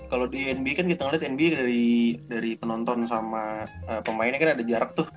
kalau di nb kan kita ngeliat nb dari penonton sama pemainnya kan ada jarak tuh